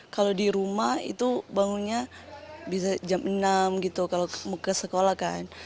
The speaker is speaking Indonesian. kalau di rumah itu bangunnya bisa jam enam gitu kalau mau ke sekolah kan